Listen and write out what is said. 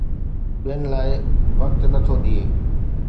ٻين لاءِ وقت نه ٿو ڏئي